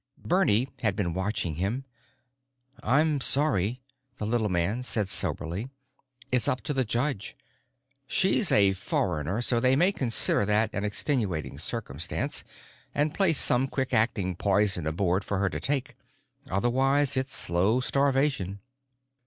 Bernie had been watching him. "I'm sorry," the little man said soberly. "It's up to the judge. She's a foreigner, so they may consider that an extenuating circumstance and place some quick acting poison aboard for her to take. Otherwise it's slow starvation."